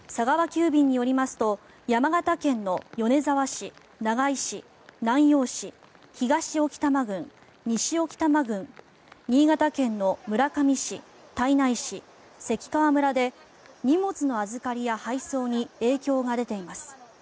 急便によりますと山形県の米沢市、長井市、南陽市東置賜郡、西置賜郡新潟県の村上市、胎内市、関川村で荷物の預かりや配送に影響が出ています。